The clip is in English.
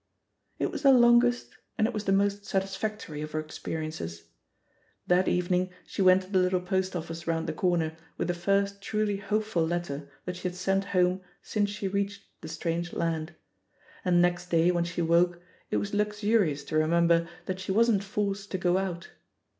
It was the longest and it was the most satis factory of her experiences. That evening she went to the little post oflSce round the corner with the first truly hopeful letter that she had sent home since she reached the strange land; and next day when she woke, it was luxurious to remember that she wasn't forced to go out.